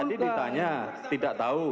tadi ditanya tidak tahu